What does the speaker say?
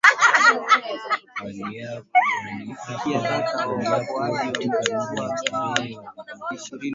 waliapo katika miji ya usirata na kuwarejesha kwenye himaya yao